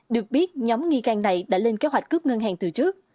được biết nhóm nghi can này đã lên kế hoạch cướp ngân hàng từ trước